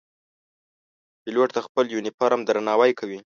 پیلوټ د خپل یونیفورم درناوی کوي.